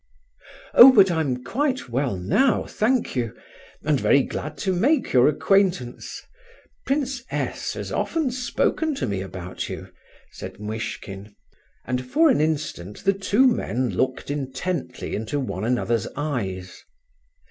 "Oh, but I'm quite well now, thank you, and very glad to make your acquaintance. Prince S. has often spoken to me about you," said Muishkin, and for an instant the two men looked intently into one another's eyes.